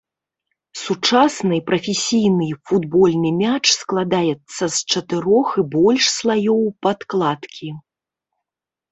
Сучасны прафесійны футбольны мяч складаецца з чатырох і больш слаёў падкладкі.